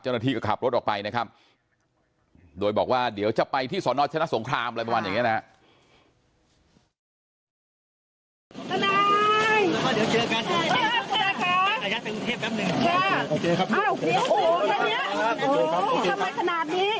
เจ้าหน้าที่ก็ขับรถออกไปนะครับโดยบอกว่าเดี๋ยวจะไปที่สนชนะสงครามอะไรประมาณอย่างนี้นะครับ